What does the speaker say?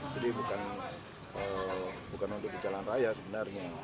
jadi bukan untuk di jalan raya sebenarnya